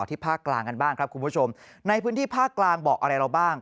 ภาคกลางกันบ้างครับคุณผู้ชมในพื้นที่ภาคกลางบอกอะไรเราบ้าง